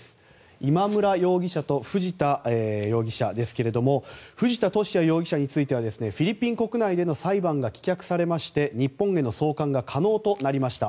今村容疑者と藤田容疑者ですけれども藤田聖也容疑者についてはフィリピン国内での裁判が棄却されまして、日本への送還が可能になりました。